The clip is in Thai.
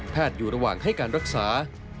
อยู่ระหว่างให้การรักษา